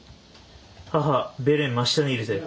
母ベレン真下にいるぜ。